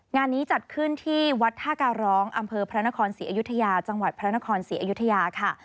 งานนี้จัดขึ้นที่วัดท่าการร้องอำเภอพระนครศรีอยุธยาจังหวัดพระนครศรีอยุธยาค่ะ